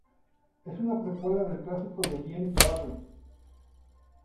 Es una precuela del clásico de James Barrie.